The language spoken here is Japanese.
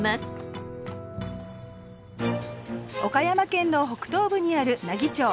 岡山県の北東部にある奈義町。